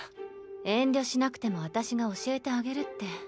遠慮しなくても私が教えてあげるって。